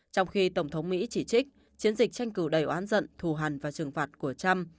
trong khi tổng thống mỹ chỉ trích chiến dịch tranh cử đầy oán giận thù hẳn và trừng phạt của trump